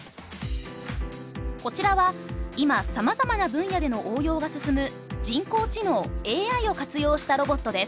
こちらは今さまざまな分野での応用が進む人工知能ＡＩを活用したロボットです。